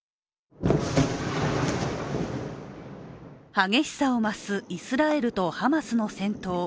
激しさを増すイスラエルとハマスの戦闘。